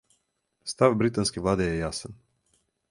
Став британске владе је јасан.